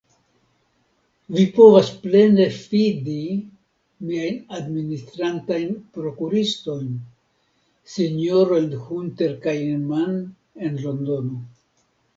Vi povas plene fidi miajn administrantajn prokuristojn, sinjorojn Hunter kaj Inman en Londono.